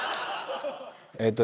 えっとね